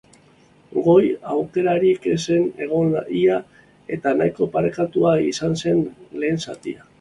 Gol aukerarik ez zen egon ia eta nahiko parekatua izan zen lehen zatia.